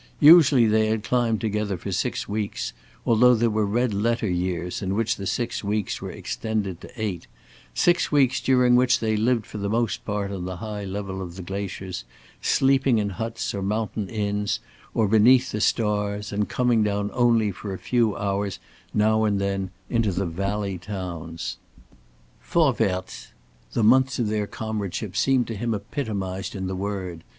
Usually they had climbed together for six weeks, although there were red letter years when the six weeks were extended to eight, six weeks during which they lived for the most part on the high level of the glaciers, sleeping in huts, or mountain inns, or beneath the stars, and coming down only for a few hours now and then into the valley towns. Vorwärts! The months of their comradeship seemed to him epitomized in the word.